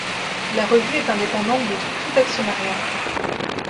La revue est indépendante de tout actionnariat.